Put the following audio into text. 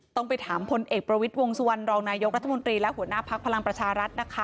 ต้องไปถามพลเอกประวิทย์วงสุวรรณรองนายกรัฐมนตรีและหัวหน้าพักพลังประชารัฐนะคะ